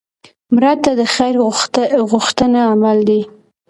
مړه ته د خیر غوښتنه عمل دی